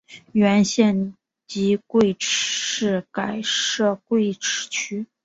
原县级贵池市改设贵池区。